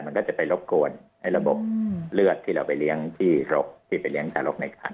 มันก็จะไปรบกวนในระบบเลือดที่เราไปเลี้ยงที่รกที่ไปเลี้ยทารกในขัน